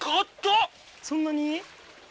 そんなに？